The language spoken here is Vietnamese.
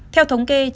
theo thống kê